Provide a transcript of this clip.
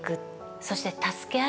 そして助け合い